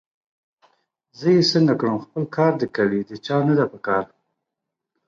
زه یې څنګه کړم! خپل کار دي کوي، د چا نه ده پکار